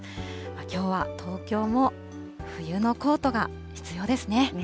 きょうは東京も冬のコートが必要ですね。